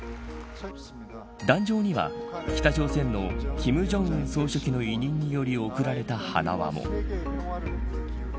壇上には北朝鮮の金正恩総書記の委任により贈られた花輪も。